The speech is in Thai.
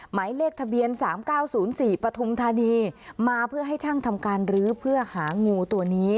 หมายเลขทะเบียนสามเก้าศูนย์สี่ปฐมธานีมาเพื่อให้ช่างทำการลื้อเพื่อหางูตัวนี้